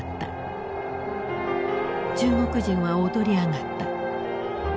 中国人は躍り上がった。